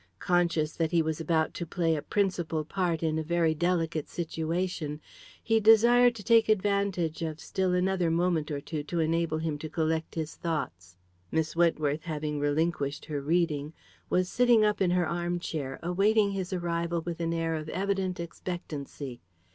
Conscious that he was about to play a principal part in a very delicate situation, he desired to take advantage of still another moment or two to enable him to collect his thoughts. Miss Wentworth, having relinquished her reading, was sitting up in her armchair, awaiting his arrival with an air of evident expectancy.